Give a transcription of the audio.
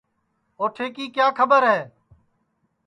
اوٹھے کی کیا کھٻر ہے